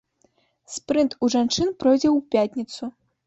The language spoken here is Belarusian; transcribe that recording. Спрынт у жанчын пройдзе ў пятніцу.